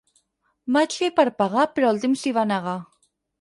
Vaig fer per pagar però el Tim s'hi va negar.